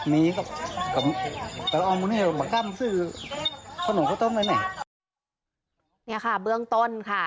นี่ค่ะเบื้องต้นค่ะ